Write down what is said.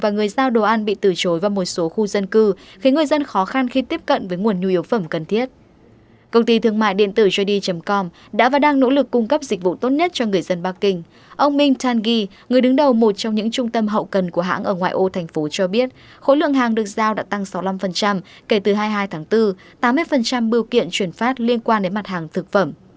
người đứng đầu một trong những trung tâm hậu cần của hãng ở ngoại ô thành phố cho biết khối lượng hàng được giao đã tăng sáu mươi năm kể từ hai mươi hai tháng bốn tám mươi bưu kiện chuyển phát liên quan đến mặt hàng thực phẩm